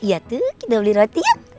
iya tuh kita beli roti yuk